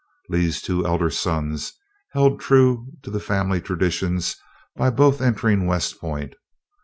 Lee's two elder sons held true to the family traditions by both entering West Point.